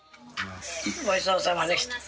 ごちそうさまでした。